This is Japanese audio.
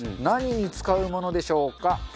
何に使うものでしょうか？